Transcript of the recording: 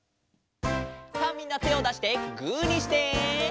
さあみんなてをだしてグーにして！